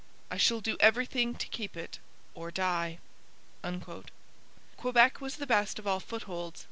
'I shall do everything to keep it, or die.' Quebec was the best of all footholds.